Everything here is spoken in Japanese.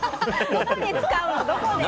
どこで使うの。